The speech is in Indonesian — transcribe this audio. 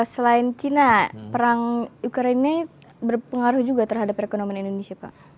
selain china perang ukraina berpengaruh juga terhadap perekonomian indonesia pak